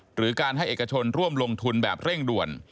หรือการให้เอกชนร่วมลงทุนแบบเร่งด่วน